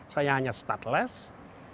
saya hanya stateless